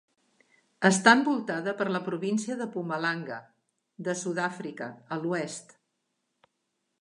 Està envoltada per la província de Mpumalanga de Sud-àfrica a l'oest.